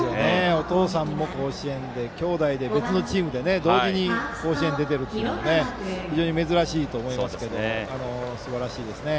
お父さんも甲子園で、兄弟で別のチームで同時に甲子園に出るというのは非常に珍しいと思いますがすばらしいですね。